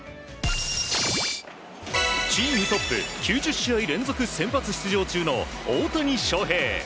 チームトップ９０試合連続先発出場中の大谷翔平。